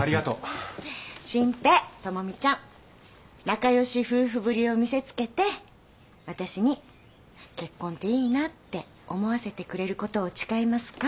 仲良し夫婦ぶりを見せつけて私に結婚っていいなって思わせてくれることを誓いますか？